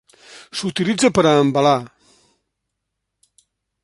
S'utilitza per a embalar.